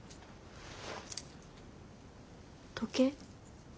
時計。